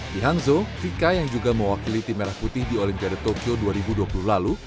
di hangzhou vika yang juga mewakili tim merah putih di olimpiade tokyo dua ribu dua puluh lalu